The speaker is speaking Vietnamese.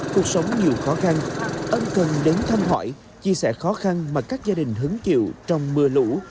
cuộc sống nhiều khó khăn ân cần đến thăm hỏi chia sẻ khó khăn mà các gia đình hứng chịu trong mưa lũ